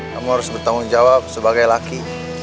kamu harus bertanggung jawab sebagai laki